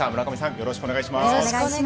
よろしくお願いします。